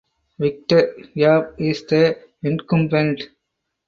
Victor Yap is the incumbent.